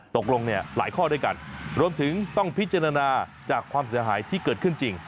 ตกลงเนี่ยหลายข้อด้วยกันรวมถึงต้องพิจารณาจากความเสียหายที่เกิดขึ้นจริง